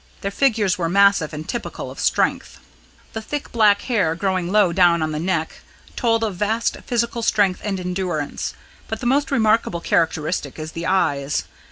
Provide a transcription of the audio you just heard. Their figures were massive and typical of strength. "The thick black hair, growing low down on the neck, told of vast physical strength and endurance. But the most remarkable characteristic is the eyes.